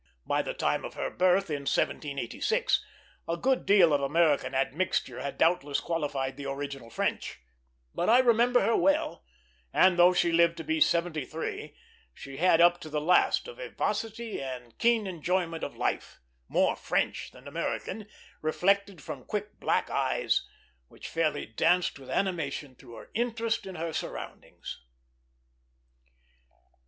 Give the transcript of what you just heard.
By the time of her birth, in 1786, a good deal of American admixture had doubtless qualified the original French; but I remember her well, and though she lived to be seventy three, she had up to the last a vivacity and keen enjoyment of life, more French than American, reflected from quick black eyes, which fairly danced with animation through her interest in her surroundings.